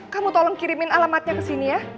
kamu tolong kirimin alamatnya kesini ya